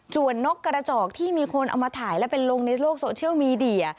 ส่วนนกกระจอกที่มีคนเอามาถ่ายและเป็นลงในโลกโซเชียลมีเดีย